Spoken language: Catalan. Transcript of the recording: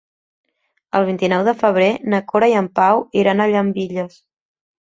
El vint-i-nou de febrer na Cora i en Pau iran a Llambilles.